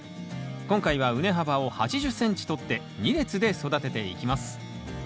今回は畝幅を８０ｃｍとって２列で育てていきます。